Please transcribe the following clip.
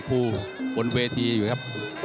สูง๑๗๙เซนติเมตรครับ